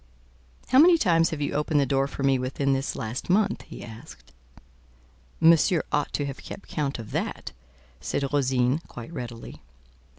"How many times have you opened the door for me within this last month?" he asked. "Monsieur ought to have kept count of that," said Rosine, quite readily.